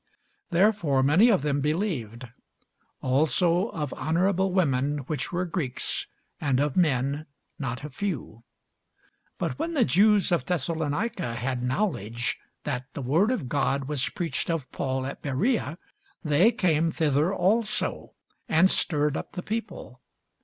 Therefore many of them believed; also of honourable women which were Greeks, and of men, not a few. But when the Jews of Thessalonica had knowledge that the word of God was preached of Paul at Berea, they came thither also, and stirred up the people.